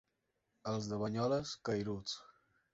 Els de Banyoles, cairuts.